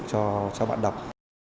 cho bạn đọc